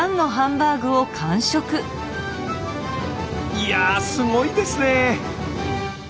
いやすごいですね。